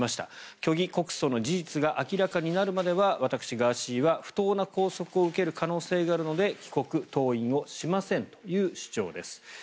虚偽告訴の事実が明らかになるまでは私、ガーシーは不当な拘束を受ける可能性があるので帰国・登院をしませんという主張です。